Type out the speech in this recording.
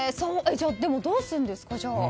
じゃあ、どうするんですか？